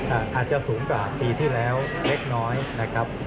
อาจจะสูงกว่าปีที่แล้วเล็กน้อยนะครับ